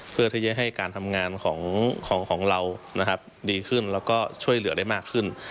เพื่อที่จะให้การทำงานของเรานะครับดีขึ้นแล้วก็ช่วยเหลือได้มากขึ้น